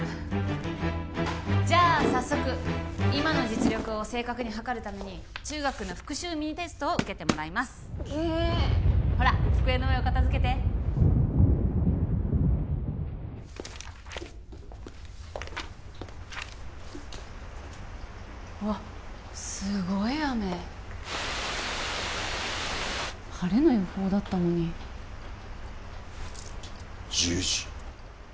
じゃあ早速今の実力を正確にはかるために中学の復習ミニテストを受けてもらいますげーっほら机の上を片づけてわっすごい雨晴れの予報だったのに１０時！？